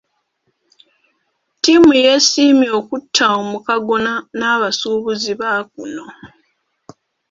Ttiimu yeesiimye okutta omukago n'abasuubuzi ba kuno.